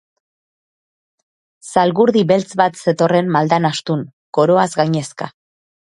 Zalgurdi beltz bat zetorren maldan astun, koroaz gainezka.